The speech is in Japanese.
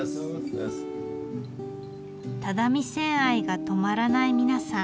只見線愛が止まらない皆さん。